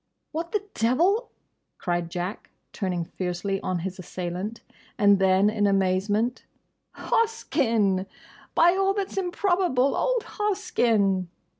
"What the devil—?" cried Jack, turning fiercely on his assailant. And then in amazement, "Hoskyn! By all that's improbable, old Hoskyn!"